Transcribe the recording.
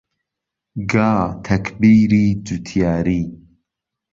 گا تەکبیری جووتیاری